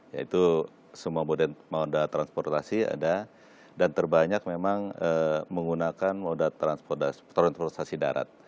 yaitu semua moda transportasi ada dan terbanyak memang menggunakan moda transportasi darat